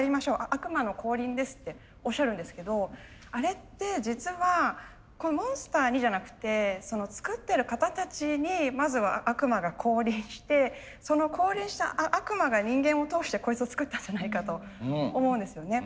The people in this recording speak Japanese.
悪魔の降臨です」っておっしゃるんですけどあれって実はモンスターにじゃなくて作ってる方たちにまずは悪魔が降臨してその降臨した悪魔が人間を通してこいつを作ったんじゃないかと思うんですよね。